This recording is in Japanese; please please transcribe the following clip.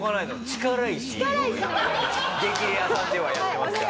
力石を今『激レアさん』ではやってますから。